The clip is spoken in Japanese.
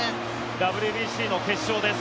ＷＢＣの決勝です。